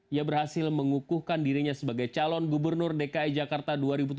ia berhasil mengukuhkan dirinya sebagai calon gubernur dki jakarta dua ribu tujuh belas